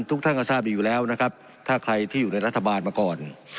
ทุกท่านก็ทราบดีอยู่แล้วนะครับถ้าใครที่อยู่ในรัฐบาลมาก่อน